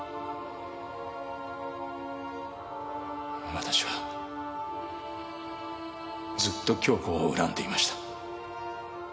私はずっと恭子を恨んでいました。